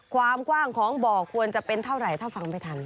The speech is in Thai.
ความกว้างของบ่อควรจะเป็นเท่าไหร่ถ้าฟังไม่ทัน